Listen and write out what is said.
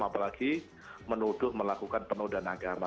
apalagi menuduh melakukan penodaan agama